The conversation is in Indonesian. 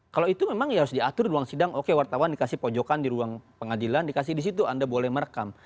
kalau itu memang ya harus diatur ruang sidang oke wartawan dikasih pojokan di ruang pengadilan dikasih di situ anda boleh merekam